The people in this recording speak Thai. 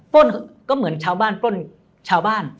ก็เหมือนชาวบ้านปล้นชาวบ้าน